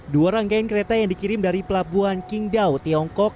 dua ranggaian kereta yang dikirim dari pelabuhan kingdao tiongkok